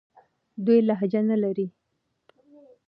دوی لهجه نه لري.